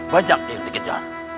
banyak yang dikejar